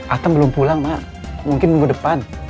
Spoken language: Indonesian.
atam belum pulang mak mungkin minggu depan